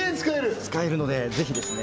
使えるのでぜひですね